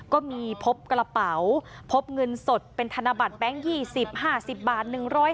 ก็มีพบกระเป๋าพบเงินสดเป็นธนบัตรแบงค์๒๐๕๐บาท